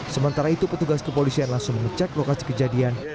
sementara itu petugas kepolisian langsung mengecek lokasi kejadian